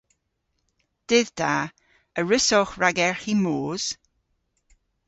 Dydh da. A wrussowgh ragerghi moos?